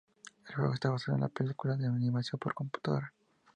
El juego está basado en la película de animación por computadora.